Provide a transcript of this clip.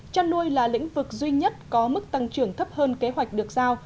chăn nuôi là lĩnh vực duy nhất có mức tăng trưởng thấp hơn kế hoạch được giao